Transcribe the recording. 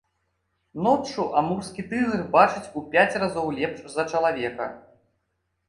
Ноччу амурскі тыгр бачыць у пяць разоў лепш за чалавека.